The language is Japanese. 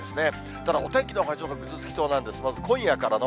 ただ、お天気はちょっとぐずつきそうなんです。